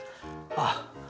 あっ！